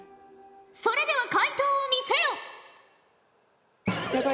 それでは回答を見せよ！